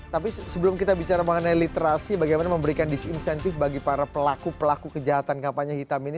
tapi sebelum kita bicara mengenai literasi bagaimana memberikan disinsentif bagi para pelaku pelaku kejahatan kampanye hitam ini